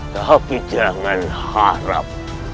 tapi jangan harap